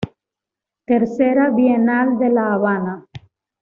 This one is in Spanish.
Tercera Bienal de La Habana.